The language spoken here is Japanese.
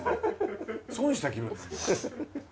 損した気分。